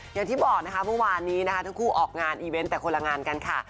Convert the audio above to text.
อย่างที่บอกนะคะเมื่อวานนี้นะคะทั้งคู่ออกงานอีเวนต์แต่คนละงานกันค่ะ